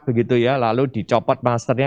begitu ya lalu dicopot masternya